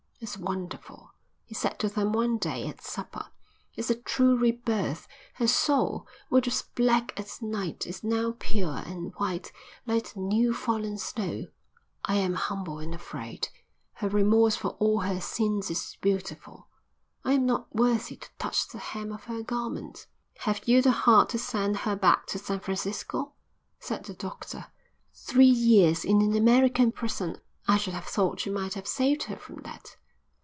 "It's wonderful," he said to them one day at supper. "It's a true rebirth. Her soul, which was black as night, is now pure and white like the new fallen snow. I am humble and afraid. Her remorse for all her sins is beautiful. I am not worthy to touch the hem of her garment." "Have you the heart to send her back to San Francisco?" said the doctor. "Three years in an American prison. I should have thought you might have saved her from that."